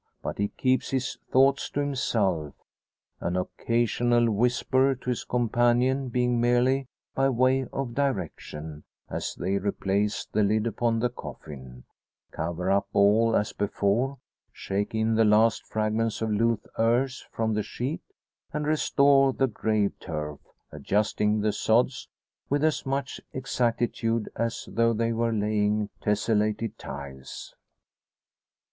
But he keeps his thoughts to himself, an occasional whisper to his companion being merely by way of direction, as they replace the lid upon the coffin, cover all up as before, shake in the last fragments of loose earth from the sheet, and restore the grave turf adjusting the sods with as much exactitude, as though they were laying tesselated tiles!